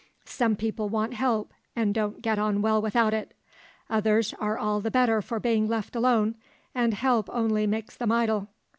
Some people want help, and don't get on well without it; others are all the better for being left alone, and help only makes them idle."